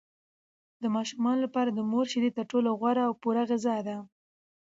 د ماشومانو لپاره د مور شیدې تر ټولو غوره او پوره غذا ده.